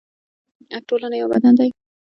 ټولنه یو بدن دی